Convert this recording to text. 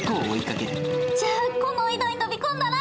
じゃあこの井戸に飛び込んだら。